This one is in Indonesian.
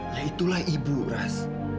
ya itulah ibu raz